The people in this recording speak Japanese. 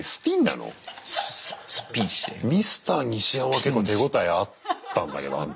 ミスターニシヤマは結構手応えあったんだけどあん時。